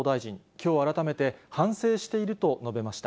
きょう改めて、反省していると述べました。